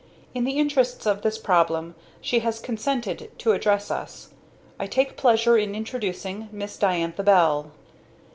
In the interests of this problem she has consented to address us I take pleasure in introducing Miss Diantha Bell."